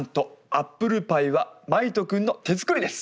アップルパイは真威人くんの手作りです。